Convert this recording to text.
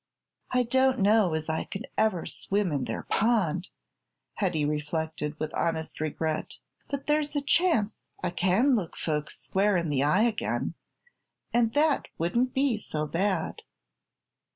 "I don't know as I can ever swim in their pond," Hetty reflected, with honest regret, "but there's a chance I can look folks square in the eye again and that wouldn't be so bad."